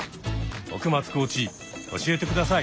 奥松コーチ教えて下さい。